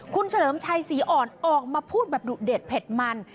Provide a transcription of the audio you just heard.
คุณเฉลิมชัยศรีอ่อนออกมาพูดแบบดุเด็ดเผ็ดมัน